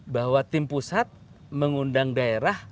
bahwa tim pusat mengundang daerah